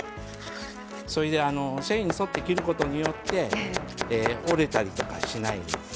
それで繊維に沿って切ることによって折れたりとかしないんです。